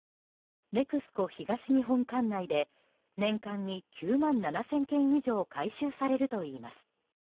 ＮＥＸＣＯ東日本管内で年間に９万７０００件以上回収されるといいます。